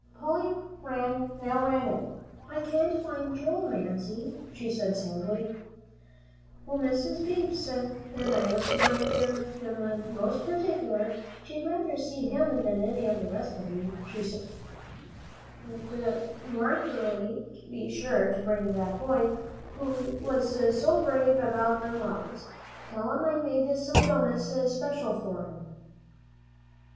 Polly now ran in. "I can't find Joel, Mamsie," she said sadly. "Well, Mis' Beebe said I was to bring him most partic'ler; she'd rather see him than any of the rest o' you. She said, 'Marinthy, be sure to bring that boy who was so brave about them robbers. Tell him I've made some doughnuts special for him.'"